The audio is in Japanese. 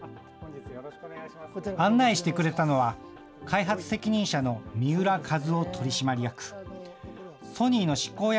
案内してくれたのは、開発責任者の三浦和夫取締役。